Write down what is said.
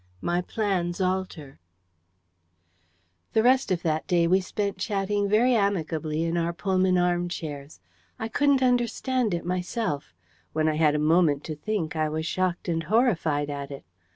MY PLANS ALTER The rest of that day we spent chatting very amicably in our Pullman arm chairs. I couldn't understand it myself when I had a moment to think, I was shocked and horrified at it.